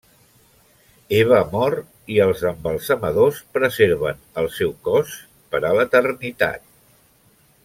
Eva mor, i els embalsamadors preserven el seu cos per a l'eternitat.